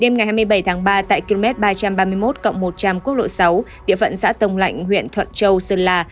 đêm ngày hai mươi bảy tháng ba tại km ba trăm ba mươi một một trăm linh quốc lộ sáu địa phận xã tông lạnh huyện thuận châu sơn la